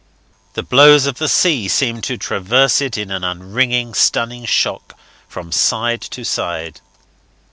The blows of the sea seemed to traverse it in an unringing, stunning shock, from side to side.